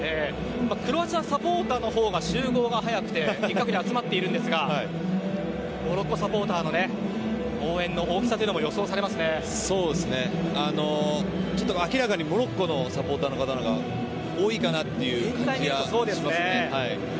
クロアチアサポーターのほうが集合が早くて集まってきていますがモロッコサポーターの応援の大きさも明らかにモロッコのサポーターの方のほうが多いかなという感じがしますね。